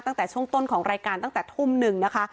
ตั้งแต่ช่วงต้นของรายการตั้งแต่ทุ่มหนึ่งนะคะ